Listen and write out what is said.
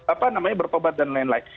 apa namanya berobat dan lain lain